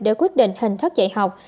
để quyết định hình thức dạy học